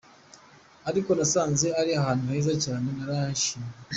ariko nasanze ari ahantu heza cyane narahishimiye.